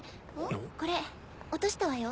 これ落としたわよ。